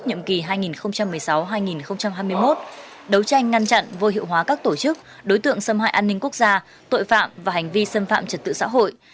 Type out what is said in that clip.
nhiệm kỳ hai nghìn một mươi sáu hai nghìn hai mươi một đấu tranh ngăn chặn vô hiệu hóa các tổ chức đối tượng xâm hại an ninh quốc gia tội phạm và hành vi xâm phạm trật tự xã hội